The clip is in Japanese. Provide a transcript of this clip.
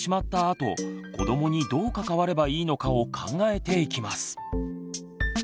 あと子どもにどう関わればいいのかを考えていきます。